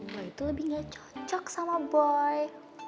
gue itu lebih gak cocok sama boy